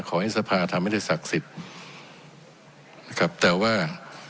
ขอให้สภาทำให้ได้ศักดิ์สิทธิ์นะครับแต่ว่า